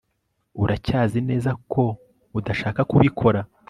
Uracyazi neza ko udashaka kubikora